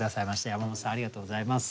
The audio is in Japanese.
山本さんありがとうございます。